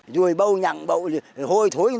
rùi bầu nhặng bầu hồi thối